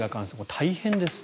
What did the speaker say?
大変です。